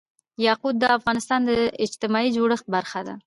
یاقوت د افغانستان د اجتماعي جوړښت برخه ده.